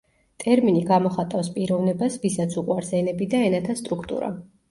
ტერმინი გამოხატავს პიროვნებას ვისაც უყვარს ენები და ენათა სტრუქტურა.